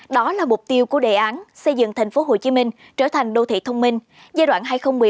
đó là mục tiêu của đề án xây dựng thành phố hồ chí minh trở thành đô thị thông minh giai đoạn hai nghìn một mươi bảy hai nghìn hai mươi